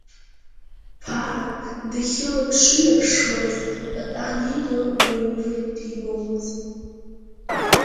Ԥара дахьылаԥшыҩаԥшуаз Какан ида уаҩы дибомызт.